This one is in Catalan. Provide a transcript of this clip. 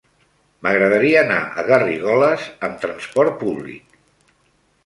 M'agradaria anar a Garrigoles amb trasport públic.